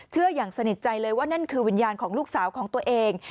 อย่างสนิทใจเลยว่านั่นคือวิญญาณของลูกสาวของตัวเอง